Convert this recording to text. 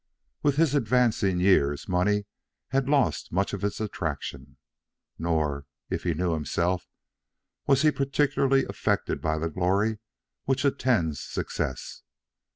With his advancing years money had lost much of its attraction. Nor, if he knew himself, was he particularly affected by the glory which attends success.